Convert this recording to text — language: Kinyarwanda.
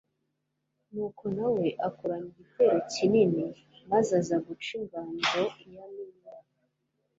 nuko na we akoranya igitero kinini maze aza guca ingando i yaminiya